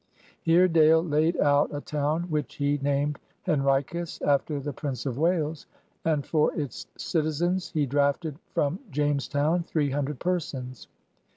Here Dale laid out a town which he named Henricus after the Prince of Wales, and for its citizens he drafted from Jamestown three himdred persons.